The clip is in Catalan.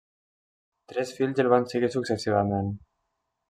Tres fills el van seguir successivament.